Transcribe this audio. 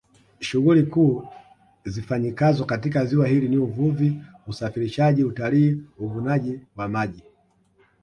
Shughuli kuu zifanyikazo katika ziwa hili ni Uvuvi Usafirishaji Utalii Uvunaji wa maji